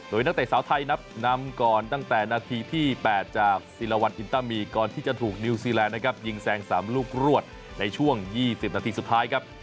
โดยนักเตะสาวไทยนับนำก่อนตั้งแต่นาทีที่๘จากศิลาวันอินตามีก่อนที่จะถูกนิวซีแลนด์นะครับยิงแซง๓ลูกรวดในช่วง๒๐นาทีสุดท้ายครับ